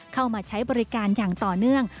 เข้ามาใช้บริการอย่างต่อเนื่อง